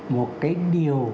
một cái điều